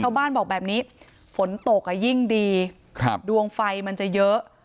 บอกแบบนี้ฝนตกอ่ะยิ่งดีครับดวงไฟมันจะเยอะ